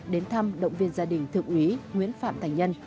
đến thăm động viên gia đình thượng úy nguyễn phạm thành nhân